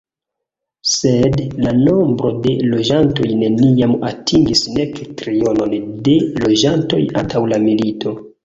Sed la nombro de loĝantoj neniam atingis nek trionon de loĝantoj antaŭ la milito.